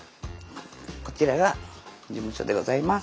こちらが事務所でございます。